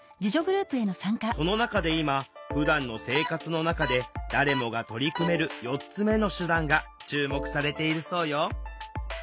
その中で今ふだんの生活の中で誰もが取り組める４つ目の手段が注目されているそうよ。